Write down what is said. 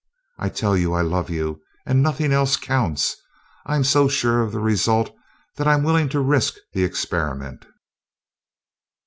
I tell you I love you, and nothing else counts. I'm so sure of the result that I'm willing to risk the experiment."